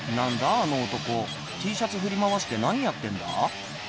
あの男Ｔシャツ振り回して何やってんだ？